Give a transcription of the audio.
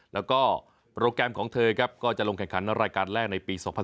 แล้วก็โปรแกรมของเธอครับก็จะลงแข่งขันรายการแรกในปี๒๐๑๖